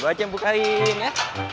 gue aja yang bukain ya